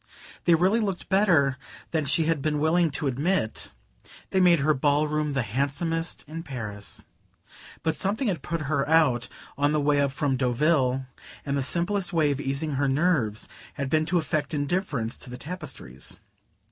They really looked better than she had been willing to admit: they made her ballroom the handsomest in Paris. But something had put her out on the way up from Deauville, and the simplest way of easing her nerves had been to affect indifference to the tapestries.